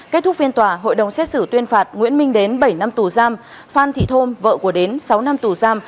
kết thúc phiên tòa hội đồng xét xử tuyên phạt nguyễn minh đến bảy năm tù giam phan thị thôm vợ của đến sáu năm tù giam